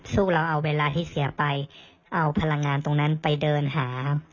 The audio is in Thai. เราเอาเวลาที่เสียไปเอาพลังงานตรงนั้นไปเดินหา